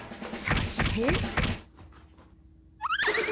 そして。